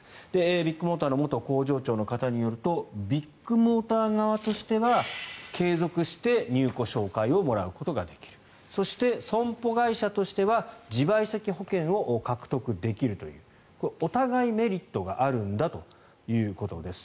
ビッグモーターの元工場長の方によるとビッグモーター側としては継続して入庫紹介をもらうことができるそして、損保会社としては自賠責保険を獲得できるということでお互いメリットがあるんだということです。